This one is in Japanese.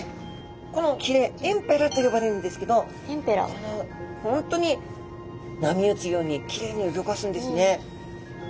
このひれエンペラとよばれるんですけど本当に波打つようにキレイにうギョかすんですね。